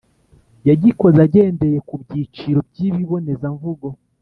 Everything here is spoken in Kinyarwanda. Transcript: Yagikoze agendeye ku byiciro by’ibibonezamvugo